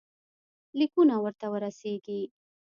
لیکونه ورته ورسیږي.